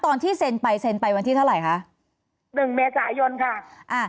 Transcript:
ตอนที่เซ็นไปเซ็นไปวันที่เท่าไหร่คะหนึ่งเมษายนค่ะอ่า